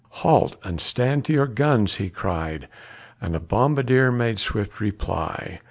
"Halt, and stand to your guns!" he cried. And a bombardier made swift reply.